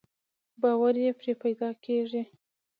باور يې پرې پيدا کېږي.